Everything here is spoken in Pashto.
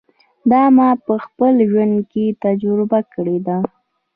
دا ما په خپل ژوند کې تجربه کړې ده.